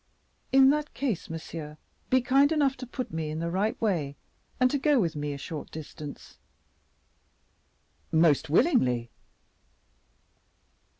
"In that case, monsieur, be kind enough to put me in the right way, and to go with me a short distance." "Most willingly."